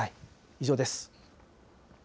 以上です。